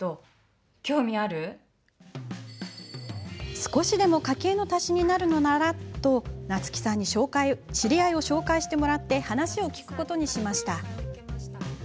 少しでも家計の足しになるのならと夏樹さんに、知り合いを紹介してもらって話を聞くことにしました。